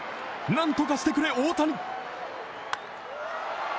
なんとかしてくれ大谷！